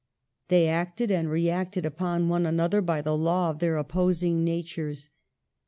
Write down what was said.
They acted and reacted upon one another by the law of their opposing natures.